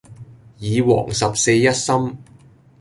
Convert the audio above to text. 耳王十四一心